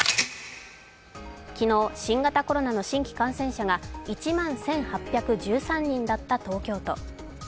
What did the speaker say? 昨日新型コロナの新規感染者が１万１８１３人だった東京都。